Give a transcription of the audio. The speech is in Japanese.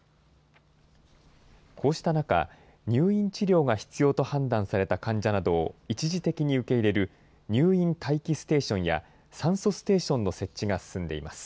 こうした中、入院治療が必要と判断された患者などを一時的に受け入れる、入院待機ステーションや酸素ステーションの設置が進んでいます。